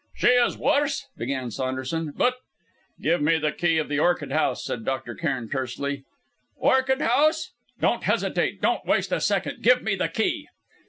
"She is worse?" began Saunderson, "but " "Give me the key of the orchid house!" said Dr. Cairn tersely. "Orchid house! " "Don't hesitate. Don't waste a second. Give me the key."